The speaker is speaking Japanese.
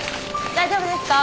大丈夫ですか？